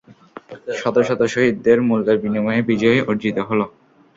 শত শত শহীদদের মূল্যের বিনিময়ে এ বিজয় অর্জিত হল।